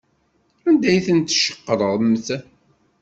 Anda ay ten-tceqremt?